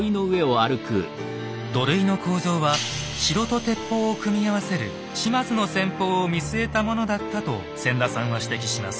土塁の構造は城と鉄砲を組み合わせる島津の戦法を見据えたものだったと千田さんは指摘します。